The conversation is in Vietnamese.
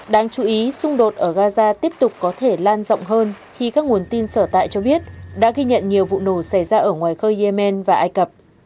đáng chú ý xung đột ở gaza tiếp tục có thể lan rộng hơn khi các nguồn tin sở tại cho biết đã ghi nhận nhiều vụ nổ xảy ra ở ngoài khơi yemen và ai cập